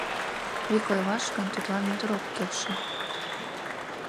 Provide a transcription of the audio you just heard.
Вик ойлаш гын, тудлан ӱдыр ок келше.